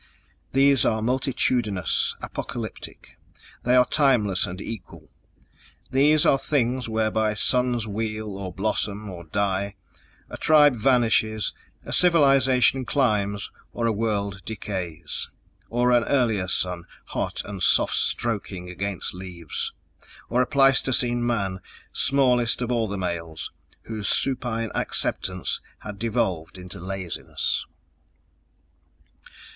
These are multitudinous, apocalyptic. They are timeless and equal. These are things whereby suns wheel or blossom or die, a tribe vanishes, a civilization climbs or a world decays._ Or an earlier sun, hot and soft stroking against leaves. Or a Pleistocene man, smallest of all the males, whose supine acceptance had devolved into laziness....